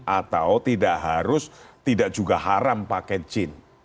atau tidak harus tidak juga haram pakai jin